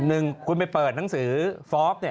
หนึ่งคุณไปเปิดหนังสือฟอล์ฟ